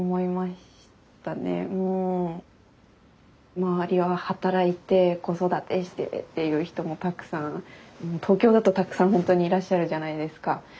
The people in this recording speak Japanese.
周りは働いて子育てしてっていう人もたくさんもう東京だとたくさんほんとにいらっしゃるじゃないですか。